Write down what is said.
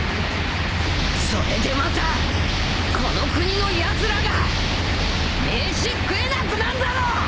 それでまたこの国のやつらが飯食えなくなんだろ！